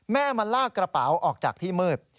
แม่มาลากกระเป๋าออกจากที่มืด